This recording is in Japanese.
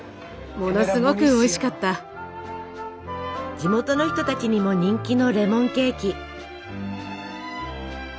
地元の人たちにも人気のレモンケーキ。